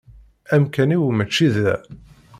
Amkan-iw mačči da.